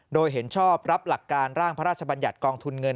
โดยเห็นชอบรับหลักการร่างพระราชบัญญัติกองทุนเงิน